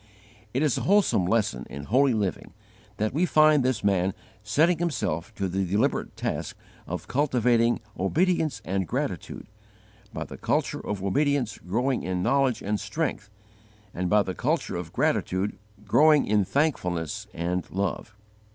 It is a wholesome lesson in holy living that we find this man setting himself to the deliberate task of cultivating obedience and gratitude; by the culture of obedience growing in knowledge and strength, and by the culture of gratitude growing in thankfulness and love.